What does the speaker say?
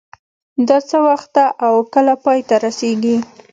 دا څه وخت ده او کله پای ته رسیږي